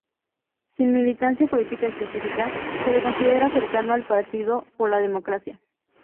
Sin militancia política específica, se le considera cercano al Partido por la Democracia.